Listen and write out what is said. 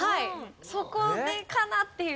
そこで「かな？」っていう。